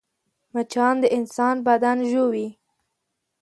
مچان د انسان بدن ژوي